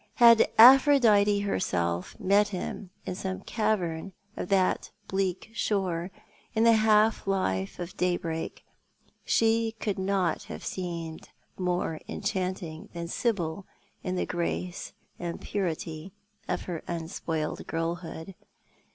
Had Aphrodite herself met him in some cavern of that bleak shore, in the half light of daybreak, she could not have seemed more enchanting than Sibyl in the grace and purity of her unspoiled girlhood.